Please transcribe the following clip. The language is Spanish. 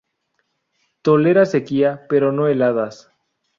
Tolera sequía, pero no heladas.